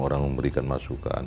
orang memberikan masukan